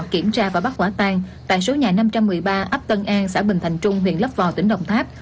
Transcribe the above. kiểm tra và bắt quả tan tại số nhà năm trăm một mươi ba ấp tân an xã bình thành trung huyện lấp vò tỉnh đồng tháp